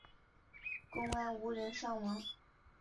公安无人伤亡。